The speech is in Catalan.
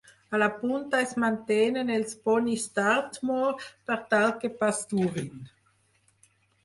A la punta, es mantenen els ponis Dartmoor per tal que pasturin.